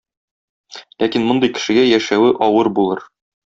Ләкин мондый кешегә яшәве авыр булыр.